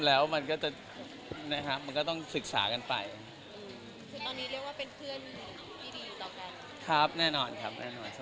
แล้วยังความสบายแล้วก็ปฏิเสธให้กลับสู่คลุม